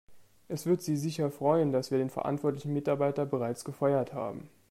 Es wird Sie sicher freuen, dass wir den verantwortlichen Mitarbeiter bereits gefeuert haben.